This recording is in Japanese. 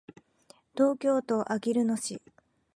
東京都あきる野市